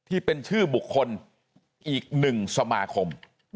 อีกหนึ่งสมาคม